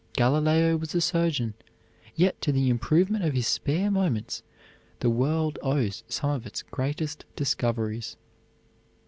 Galileo was a surgeon, yet to the improvement of his spare moments the world owes some of its greatest discoveries.